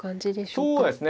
そうですね。